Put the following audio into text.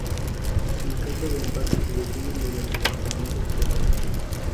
En caso de empate se define mediante lanzamientos penales.